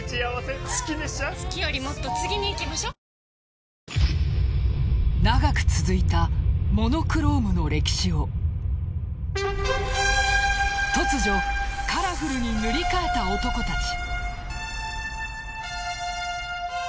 ぷっ事実「特茶」長く続いたモノクロームの歴史を突如カラフルに塗り替えた男たち。